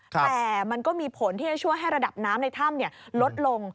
แต่มันก็มีผลที่จะช่วยให้ระดับน้ำในถ้ำลดลง